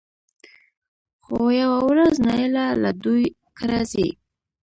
خو يوه ورځ نايله له دوی کره ځي